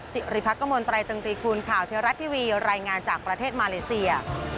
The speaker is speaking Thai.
สิริพักกมลตรายตึงตีคูณข่าวเทวรัฐทีวีรายงานจากประเทศมาเลเซีย